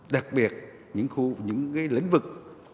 đặc biệt những khu những lĩnh vực